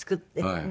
はい。